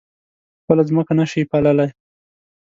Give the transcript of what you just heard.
خپله ځمکه نه شي پاللی.